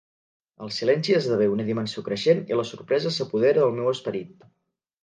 El silenci esdevé una dimensió creixent i la sorpresa s'apodera del meu esperit.